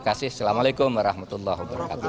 terima kasih assalamualaikum warahmatullahi wabarakatuh